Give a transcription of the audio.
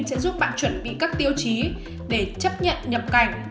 để chuẩn bị các tiêu chí để chấp nhận nhập cảnh